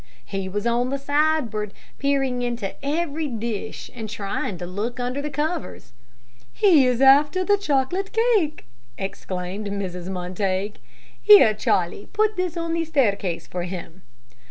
He was on the sideboard, peering into every dish, and trying to look under the covers. "He is after the chocolate cake," exclaimed Mrs Montague. "Here, Charlie, put this on the staircase for him."